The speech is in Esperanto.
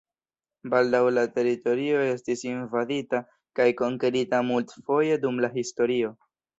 Baldaŭ la teritorio estis invadita kaj konkerita multfoje dum la historio.